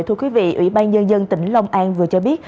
thưa quý vị ủy ban nhân dân tỉnh long an vừa cho biết